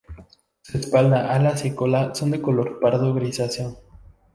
Su espalda, alas y cola son de color pardo grisáceo.